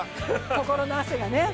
心の汗がね。